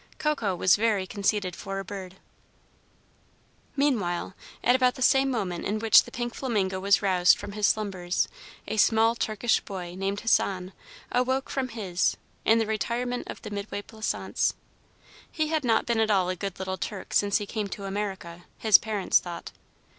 Coco was very conceited for a bird. Meanwhile, at about the same moment in which the pink flamingo was roused from his slumbers, a small Turkish boy named Hassan awoke from his, in the retirement of the Midway Plaisance. He had not been at all a good little Turk since he came to America, his parents thought.